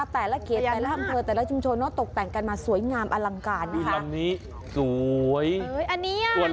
แต่ละเขตแต่ละห้ำเคิพุเต็ปแต่ละชุมชนกาลตกแต่งสวยงามอลังการนะค้า